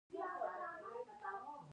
ایا زما میرمن به له ما څخه راضي وي؟